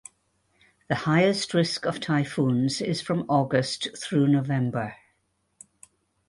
The highest risk of typhoons is from August through November.